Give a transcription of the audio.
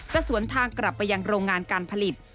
สวนทางกลับไปยังโรงงานการผลิต